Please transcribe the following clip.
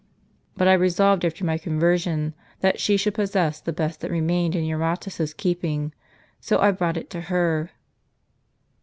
But I resolved, after my conversion, that she should possess the best that remained in Eurotas's keeping ; so I brought it to her."